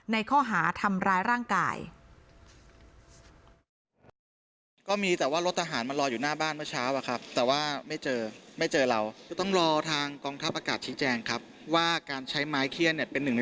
ในข้อหาทำร้ายร่างกาย